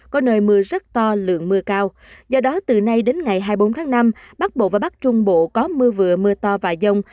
có nơi mưa rất to lượng mưa cao do đó từ nay đến ngày hai mươi bốn tháng năm bắc bộ và bắc trung bộ có mưa vừa mưa to và dông